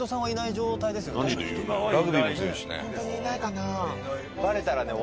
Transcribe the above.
「ホントにいないかな？」